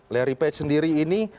larry page sendiri ini